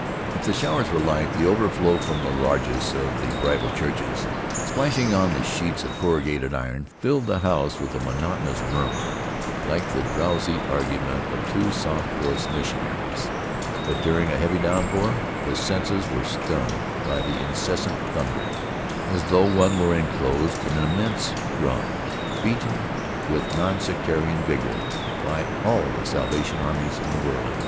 If the showers were light the overflow from the largess of the rival churches, plashing on the sheets of corrugated iron, filled the house with a monotonous murmur, like the drowsy argument of two soft voiced missionaries; but during a heavy downpour the senses were stunned by the incessant thunder, as though one were inclosed in an immense drum, beaten with nonsectarian vigor by all the Salvation Armies in the world.